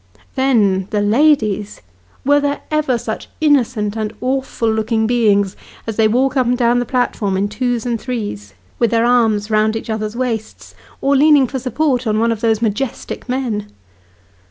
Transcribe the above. Then, the ladies were there ever such innocent and awful looking beings ; as they walk up and down the platform in twos and threes, with their arms round each other's waists, or leaning for support on one of those majestic men